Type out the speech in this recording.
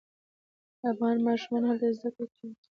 افغان ماشومان هلته زده کړې کوي.